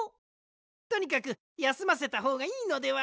とにかくやすませたほうがいいのでは？